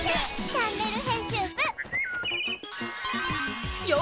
チャンネル編集部」へ！